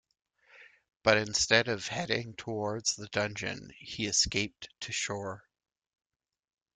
But instead of heading towards the dungeon, he escaped to shore.